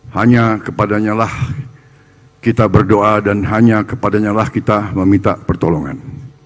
hanya kepadanya lah kita berdoa dan hanya kepadanyalah kita meminta pertolongan